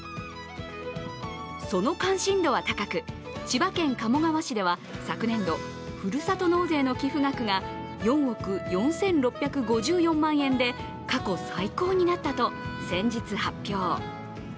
その関心度は高く、千葉県鴨川市では昨年度、ふるさと納税の寄付額が４億４６５４万円で、過去最高になったと先日発表。